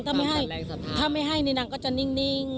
ถ้าไม่ให้ถ้าไม่ให้นี่นางก็จะนิ่ง